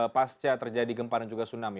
pasca terjadi gemparan juga tsunami